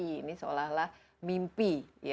ini seolah olah mimpi